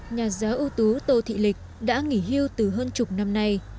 nhà giáo ưu tú tô thị lịch đã nghỉ hưu từ hơn chục năm nay